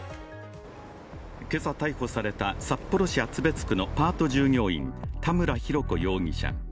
今朝逮捕された札幌市厚別区のパート従業員、田村浩子容疑者。